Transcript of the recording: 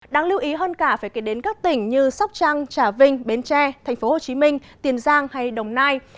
đáng lưu ý hơn cả phải kể đến các tỉnh như sóc trăng trà vinh bến tre tp hcm tiền giang hay đồng nai